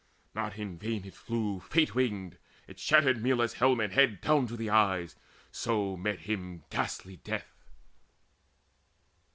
Not in vain it flew Fate winged; it shattered Meles' helm and head Down to the eyes: so met him ghastly death.